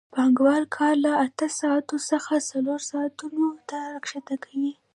پانګوال کار له اته ساعتونو څخه څلور ساعتونو ته راښکته کوي